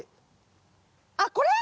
あっこれ？